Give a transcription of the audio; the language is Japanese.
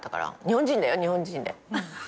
日本人だよ日本人で。